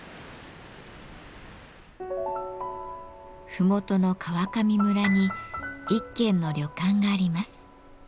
ふもとの川上村に一軒の旅館があります。